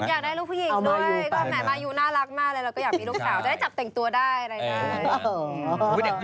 แม่มายูน่ารักมากเลยเราก็อยากมีลูกสาว